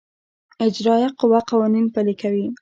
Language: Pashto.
اجرائیه قوه قوانین پلي کوي